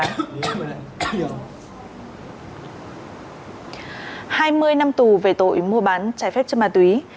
hai mươi năm tù về tội mua bán trái phép chất ma túy